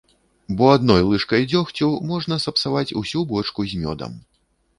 Бо адной лыжкай дзёгцю можна сапсаваць усю бочку з мёдам.